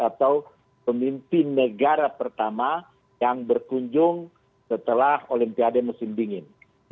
atau pemimpin negara pertama yang berkunjung setelah olimpiade musim dingin